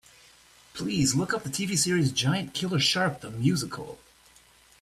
Please look up the TV series Giant Killer Shark: The Musical.